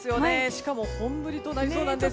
しかも本降りとなりそうなんですよ。